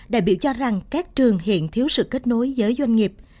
đại biểu cho rằng các trường hiện thiếu sự kết nối với doanh nghiệp